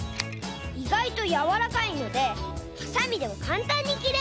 いがいとやわらかいのでハサミでもかんたんにきれます！